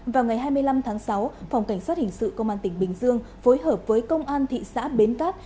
vào ngày hai mươi năm tháng sáu phòng cảnh sát hình sự công an tỉnh bình dương phối hợp với công an thị xã bến cát